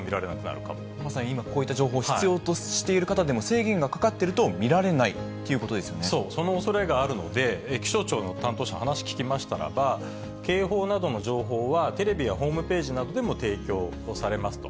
まさに今、こういった情報を必要としている方でも、制限がかかってると見られないっていうこそう、そのおそれがあるので、気象庁の担当者、話聞きましたらば、警報などの情報はテレビやホームページなどでも提供されますと。